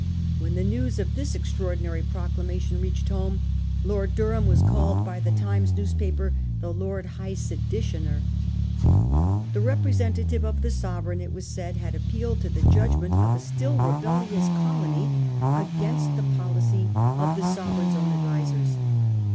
When the news of this 76 A HISTORY OF OUR OWN TIMES. ch. in. extraordinary proclamation reached home, Lord Dur ham was called by the Times newspaper, ' the Lord High Seditioner.' The representative of the Sove reign, it was said, had appealed to the judgment of a still rebellious colony against the policy of the Sovereign's own advisers.